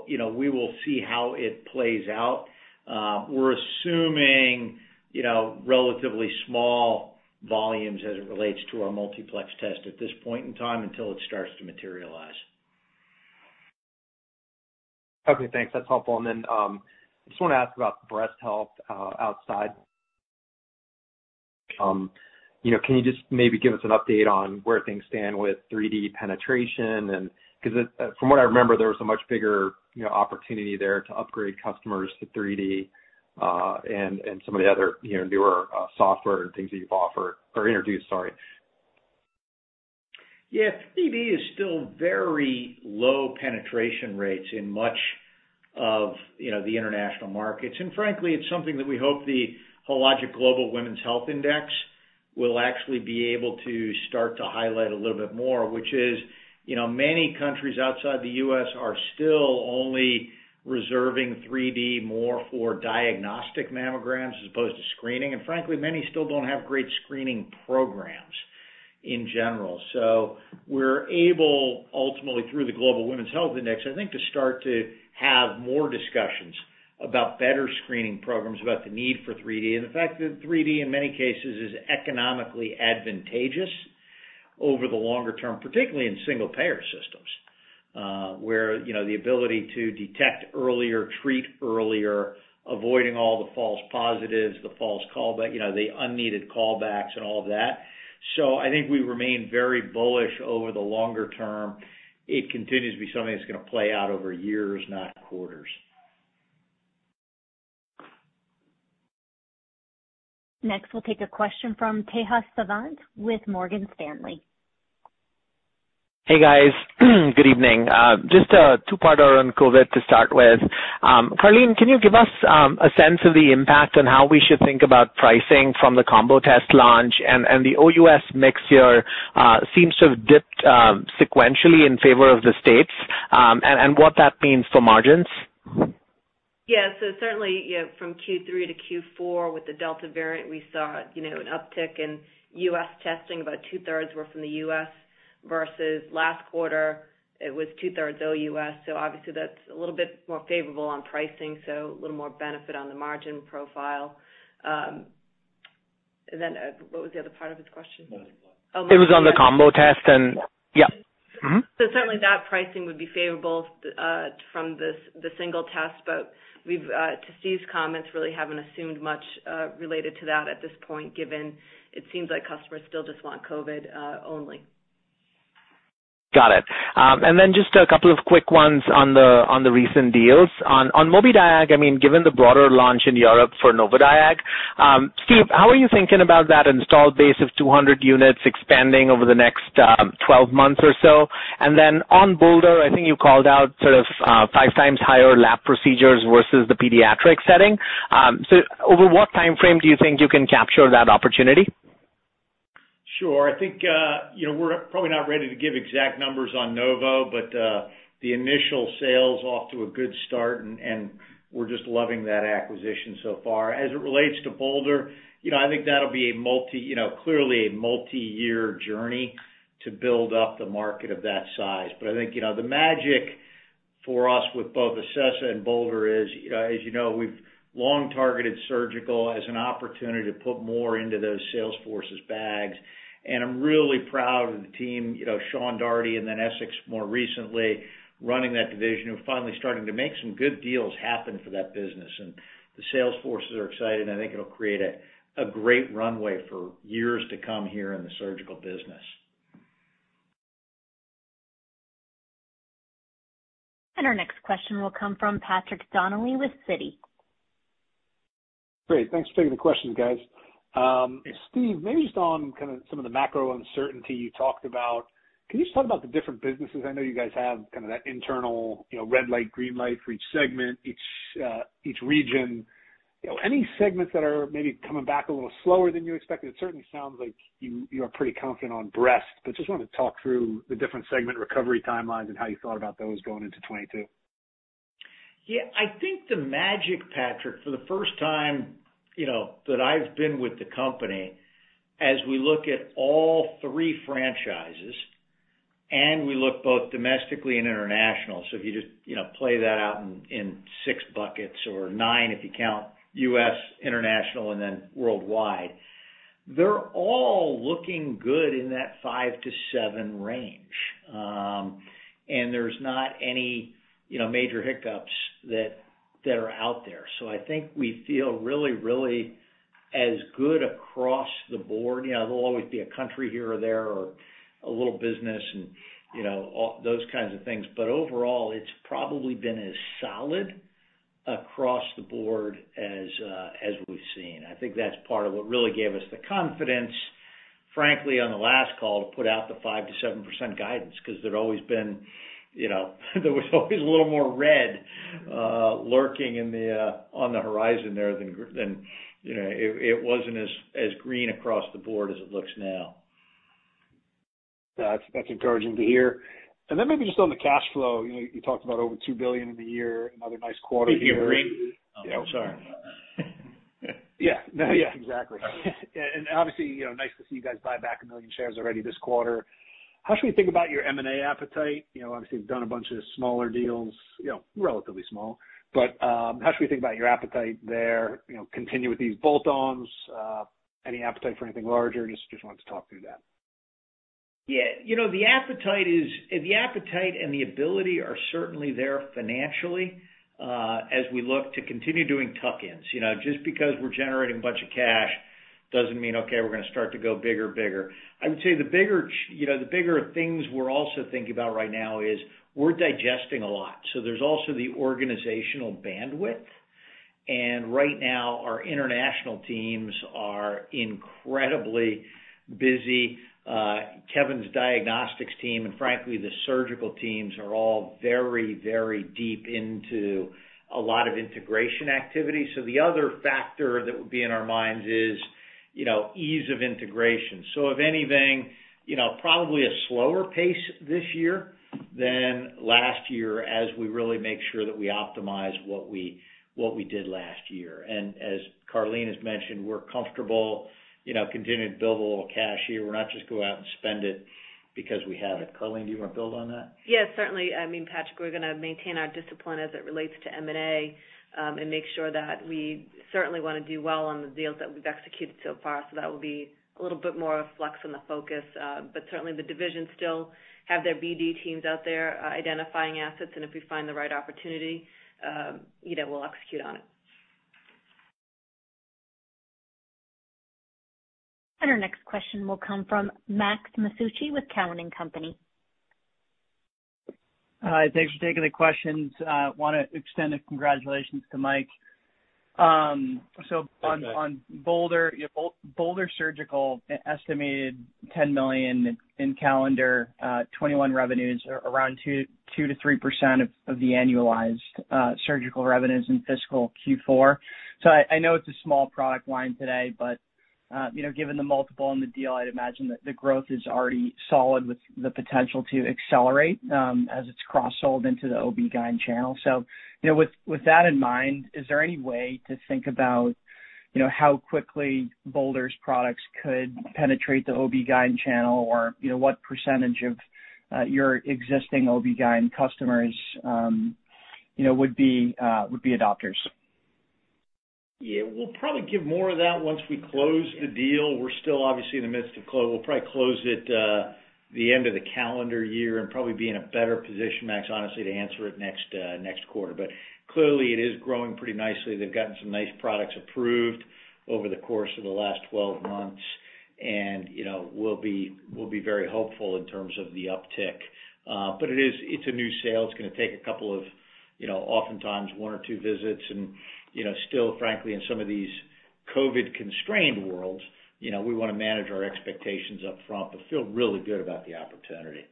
You know, we will see how it plays out. We're assuming, you know, relatively small volumes as it relates to our multiplex test at this point in time until it starts to materialize. Okay, thanks. That's helpful. Then, I just wanna ask about Breast Health outside. You know, can you just maybe give us an update on where things stand with 3D penetration, because it, from what I remember, there was a much bigger, you know, opportunity there to upgrade customers to 3D, and some of the other, you know, newer software and things that you've offered or introduced, sorry. Yeah. 3D is still very low penetration rates in much of, you know, the international markets. Frankly, it's something that we hope the Hologic Global Women's Health Index will actually be able to start to highlight a little bit more, which is, you know, many countries outside the U.S. are still only reserving 3D more for diagnostic mammograms as opposed to screening. Frankly, many still don't have great screening programs in general. We're able, ultimately through the Global Women's Health Index, I think, to start to have more discussions about better screening programs, about the need for 3D, and the fact that 3D, in many cases, is economically advantageous over the longer term, particularly in single payer systems, where, you know, the ability to detect earlier, treat earlier, avoiding all the false positives, the false callback, you know, the unneeded callbacks and all of that. I think we remain very bullish over the longer term. It continues to be something that's gonna play out over years, not quarters. Next, we'll take a question from Tejas Savant with Morgan Stanley. Hey, guys. Good evening. Just a two-parter on COVID to start with. Karleen, can you give us a sense of the impact on how we should think about pricing from the combo test launch and the OUS mix here seems to have dipped sequentially in favor of the states and what that means for margins? Yeah. Certainly, you know, from Q3 to Q4 with the Delta variant, we saw, you know, an uptick in U.S. testing. About two-thirds were from the U.S. versus last quarter it was two-thirds OUS. Obviously that's a little bit more favorable on pricing, so a little more benefit on the margin profile. What was the other part of his question? Combo test. It was on the combo test. Yeah. Certainly that pricing would be favorable from the single test. We've to Steve's comments, really haven't assumed much related to that at this point, given it seems like customers still just want COVID only. Got it. Just a couple of quick ones on the recent deals. On Mobidiag, I mean, given the broader launch in Europe for Novodiag, Steve, how are you thinking about that installed base of 200 units expanding over the next 12 months or so? On Bolder, I think you called out sort of five times higher lap procedures versus the pediatric setting. Over what timeframe do you think you can capture that opportunity? Sure. I think, you know, we're probably not ready to give exact numbers on Novodiag, but the initial sales off to a good start and we're just loving that acquisition so far. As it relates to Bolder, you know, I think that'll be clearly a multi-year journey to build up the market of that size. But I think, you know, the magic for us with both Acessa and Bolder is, as you know, we've long targeted Surgical as an opportunity to put more into those sales forces' bags. I'm really proud of the team, you know, Sean Daugherty and then Essex more recently running that division, who are finally starting to make some good deals happen for that business. The sales forces are excited, and I think it'll create a great runway for years to come here in the Surgical business. Our next question will come from Patrick Donnelly with Citi. Great. Thanks for taking the questions, guys. Steve, maybe just on kinda some of the macro uncertainty you talked about, can you just talk about the different businesses? I know you guys have kind of that internal, you know, red light, green light for each segment, each region. You know, any segments that are maybe coming back a little slower than you expected? It certainly sounds like you are pretty confident on breast. Just wanted to talk through the different segment recovery timelines and how you thought about those going into 2022. Yeah, I think the magic, Patrick, for the first time, you know, that I've been with the company, as we look at all three franchises and we look both domestically and international, so if you just, you know, play that out in six buckets or nine if you count U.S., international, and then worldwide, they're all looking good in that 5%-7% range. There's not any, you know, major hiccups that are out there. I think we feel really, really as good across the board. You know, there'll always be a country here or there or a little business and, you know, all those kinds of things. Overall, it's probably been as solid across the board as we've seen. I think that's part of what really gave us the confidence, frankly, on the last call, to put out the 5%-7% guidance, 'cause there'd always been, you know, there was always a little more red lurking on the horizon there than, you know. It wasn't as green across the board as it looks now. That's encouraging to hear. Then maybe just on the cash flow, you know, you talked about over $2 billion in the year, another nice quarter here. Can you hear me? Oh, sorry. Yeah. No, yeah, exactly. Obviously, you know, nice to see you guys buy back 1 million shares already this quarter. How should we think about your M&A appetite? You know, obviously you've done a bunch of smaller deals, you know, relatively small. How should we think about your appetite there, you know, continue with these bolt-ons? Any appetite for anything larger? Just wanted to talk through that. Yeah. You know, the appetite and the ability are certainly there financially, as we look to continue doing tuck-ins. You know, just because we're generating a bunch of cash doesn't mean, okay, we're gonna start to go bigger and bigger. I would say the bigger things we're also thinking about right now is we're digesting a lot, so there's also the organizational bandwidth. Right now, our international teams are incredibly busy. Kevin's Diagnostics team, and frankly, the Surgical teams are all very, very deep into a lot of integration activity. The other factor that would be in our minds is, you know, ease of integration. If anything, you know, probably a slower pace this year than last year as we really make sure that we optimize what we did last year. As Karleen has mentioned, we're comfortable, you know, continuing to build a little cash here. We're not just gonna go out and spend it because we have it. Karleen, do you wanna build on that? Yes, certainly. I mean, Patrick, we're gonna maintain our discipline as it relates to M&A, and make sure that we certainly wanna do well on the deals that we've executed so far, so that will be a little bit more of flex on the focus. But certainly the divisions still have their BD teams out there, identifying assets, and if we find the right opportunity, you know, we'll execute on it. Our next question will come from Max Masucci with Cowen and Company. Hi, thanks for taking the questions. Wanna extend a congratulations to Mike. Thanks, Max. On Bolder. Yeah, Bolder Surgical estimated $10 million in calendar 2021 revenues around 2%-3% of the annualized Surgical revenues in fiscal Q4. I know it's a small product line today, but you know, given the multiple on the deal, I'd imagine that the growth is already solid with the potential to accelerate as it's cross-sold into the OB/GYN channel. You know, with that in mind, is there any way to think about how quickly Bolder's products could penetrate the OB/GYN channel or what percentage of your existing OB/GYN customers would be adopters? Yeah. We'll probably give more of that once we close the deal. We're still obviously in the midst of closing. We'll probably close it the end of the calendar year and probably be in a better position, Max, honestly, to answer it next quarter. Clearly it is growing pretty nicely. They've gotten some nice products approved over the course of the last 12 months and, you know, we'll be very hopeful in terms of the uptick. It's a new sale. It's gonna take a couple of, you know, oftentimes one or two visits and, you know, still, frankly, in some of these COVID-constrained worlds, you know, we wanna manage our expectations up front, but feel really good about the opportunity.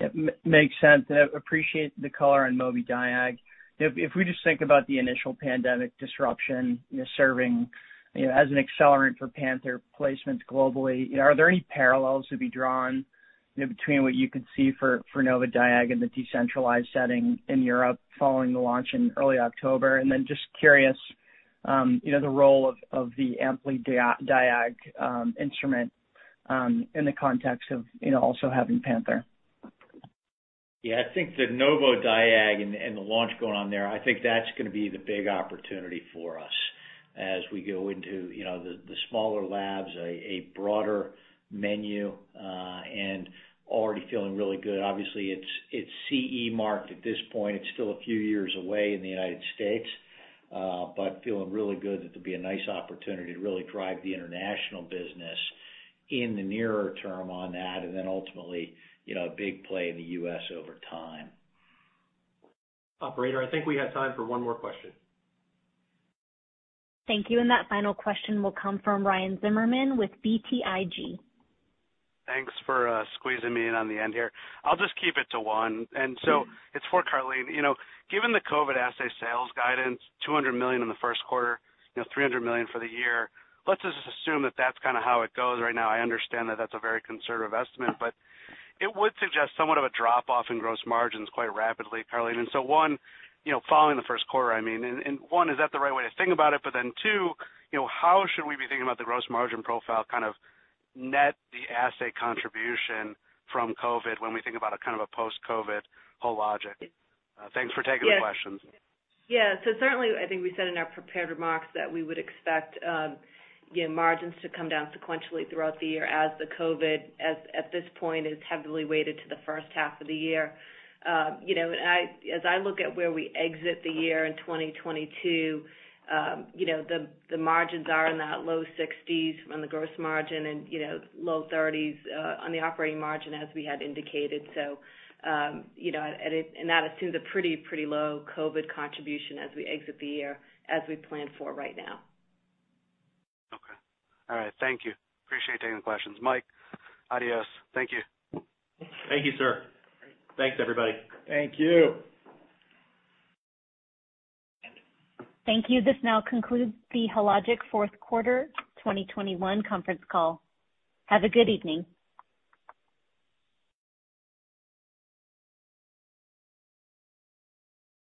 Yep. Makes sense. Appreciate the color on Mobidiag. If we just think about the initial pandemic disruption, you know, serving, you know, as an accelerant for Panther placements globally, you know, are there any parallels to be drawn, you know, between what you could see for Novodiag in the decentralized setting in Europe following the launch in early October? Then just curious, you know, the role of the AmpliDiag instrument in the context of, you know, also having Panther. Yeah. I think the Novodiag and the launch going on there, I think that's gonna be the big opportunity for us as we go into, you know, the smaller labs, a broader menu, and already feeling really good. Obviously, it's CE marked at this point. It's still a few years away in the United States. Feeling really good that there'll be a nice opportunity to really drive the international business in the nearer term on that, and then ultimately, you know, a big play in the U.S. over time. Operator, I think we have time for one more question. Thank you. That final question will come from Ryan Zimmerman with BTIG. Thanks for squeezing me in on the end here. I'll just keep it to one. It's for Karleen. You know, given the COVID assay sales guidance, $200 million in the first quarter, you know, $300 million for the year, let's just assume that that's kinda how it goes right now. I understand that that's a very conservative estimate, but it would suggest somewhat of a drop-off in gross margins quite rapidly, Karleen. One, you know, following the first quarter, I mean, is that the right way to think about it? Two, you know, how should we be thinking about the gross margin profile, kind of net the assay contribution from COVID when we think about a kind of a post-COVID Hologic? Thanks for taking the questions. Certainly, I think we said in our prepared remarks that we would expect, you know, margins to come down sequentially throughout the year as the COVID at this point is heavily weighted to the first half of the year. You know, and as I look at where we exit the year in 2022, you know, the margins are in the low 60s% on the gross margin and, you know, low 30s% on the operating margin as we had indicated. You know, and that assumes a pretty low COVID contribution as we exit the year as we plan for right now. Okay. All right. Thank you. Appreciate taking the questions. Mike, adios. Thank you. Thank you, sir. Thanks, everybody. Thank you. Thank you. This now concludes the Hologic fourth quarter 2021 conference call. Have a good evening.